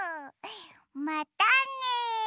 またね！